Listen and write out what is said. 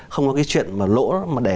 không có cái chuyện mà lỗ mà đè